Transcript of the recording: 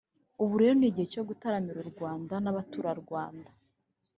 ubu rero ni igihe cyo gutaramira abanyaRwanda n'abatura Rwanda